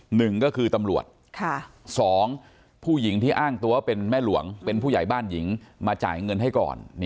หนึ่งก็คือตำรวจสองผู้หญิงที่อ้างตัวเป็นแม่หลวงเป็นผู้ใหญ่บ้านหญิงมาจ่ายเงินให้ก่อน